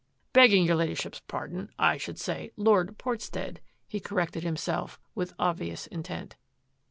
Beg ging your Ladyship's pardon, I should say Lord Portstead,*' he corrected himself, with obvious in tent.